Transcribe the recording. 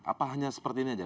apa hanya seperti ini aja